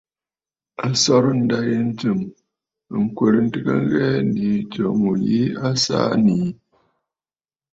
A sɔrə̀ ǹdâ yì ntsɨ̀m ŋ̀kwerə ntɨgə ŋghɛɛ nii tso ŋù a saa nii.